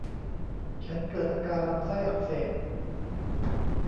ฉันเกิดอาการลำไส้อักเสบ